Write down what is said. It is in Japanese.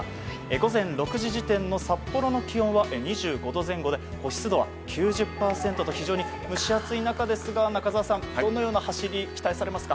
午前６時時点の札幌の気温は２５度前後で湿度は９０％と非常に蒸し暑い中ですが中澤さん、どのような走りを期待されますか。